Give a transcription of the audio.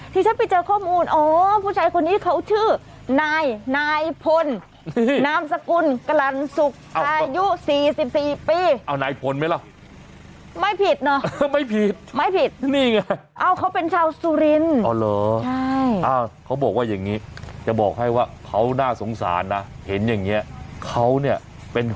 ทีชั้นไปเจอข้อมูลโอ้ผู้ชายคนนี้เขาชื่อนายนายพล